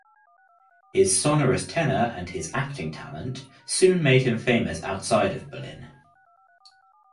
His sonorous tenor and his acting talent soon made him famous outside of Berlin.